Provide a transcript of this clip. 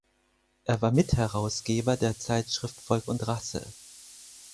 Er war Mitherausgeber der Zeitschrift "Volk und Rasse.